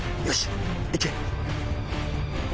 よし行け。